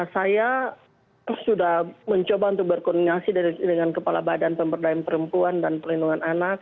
saya sudah mencoba untuk berkoordinasi dengan kepala badan pemberdayaan perempuan dan perlindungan anak